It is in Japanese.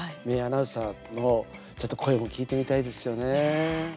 名アナウンサーの声も聞いてみたいですよね。